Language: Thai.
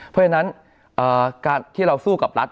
เพราะฉะนั้นการที่เราสู้กับรัฐ